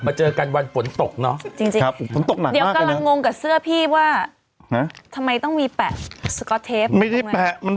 พาวใส่ไข่สดใหม่ให้เยอะ